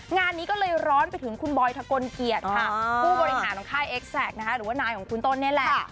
งานนี้ก็เลยร้อนไปถึงคุณบอยทะกลเกียรติค่ะผู้บริหารของค่ายเอ็กแซคนะคะหรือว่านายของคุณต้นนี่แหละ